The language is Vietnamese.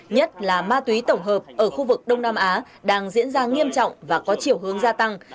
nhất là ma túy tổng hợp ở khu vực đông nam á đang diễn ra nghiêm trọng và có chiều hướng gia tăng